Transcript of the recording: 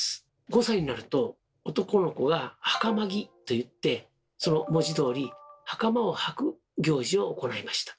５歳になると男の子が「はかま着」と言ってその文字どおりはかまをはく行事を行いました。